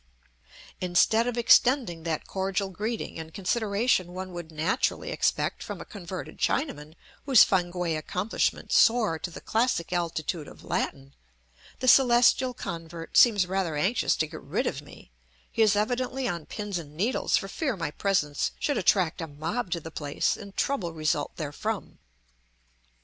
Instead of extending that cordial greeting and consideration one would naturally expect from a converted Chinaman whose Fankwae accomplishments soar to the classic altitude of Latin, the Celestial convert seems rather anxious to get rid of me; he is evidently on pins and needles for fear my presence should attract a mob to the place and trouble result therefrom.